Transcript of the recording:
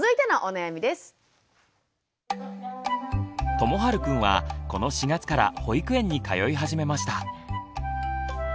ともはるくんはこの４月から保育園に通い始めました。